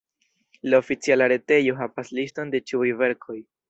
La oficiala retejo havas liston de ĉiuj verkoj.